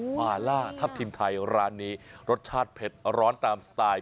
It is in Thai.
มาล่าทัพทิมไทยร้านนี้รสชาติเผ็ดร้อนตามสไตล์